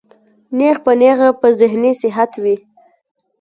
نېغ پۀ نېغه پۀ ذهني صحت وي